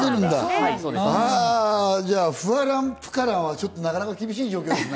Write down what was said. じゃあ、ふわらんぷからんは、なかなか厳しい状況ですね。